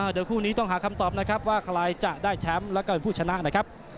โดยคู่นี้ต้องหาคำตอบนะครับว่าใครจะได้แชมป์แล้วก็เป็นผู้ชนะนะครับ